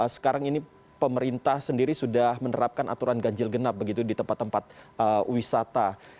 sekarang ini pemerintah sendiri sudah menerapkan aturan ganjil genap begitu di tempat tempat wisata